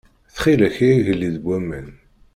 Txil-k ay Agellid n waman.